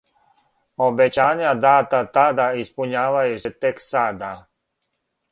Обећања дата тада испуњавају се тек сада.